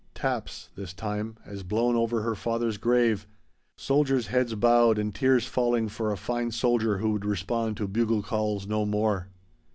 "Taps," this time, as blown over her father's grave, soldiers' heads bowed and tears falling for a fine soldier who would respond to bugle calls no more.